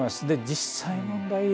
で実際問題